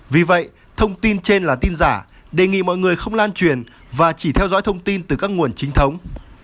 vì vậy thông tin trên là tin giả đề nghị mọi người không lan truyền và chỉ theo dõi thông tin từ các nguồn chính thống